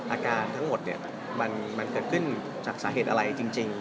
อาการทั้งหมดมันเกิดขึ้นจากสาเหตุอะไรจริง